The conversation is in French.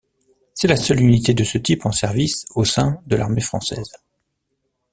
C'est la seule unité de ce type en service au sein de l'armée française.